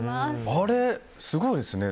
あれ、すごいですね。